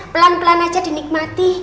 pelan pelan aja dinikmati